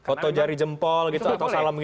foto jari jempol gitu atau salam gitu juga nggak boleh